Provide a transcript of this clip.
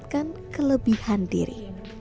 ia akan memanfaatkan kelebihan diri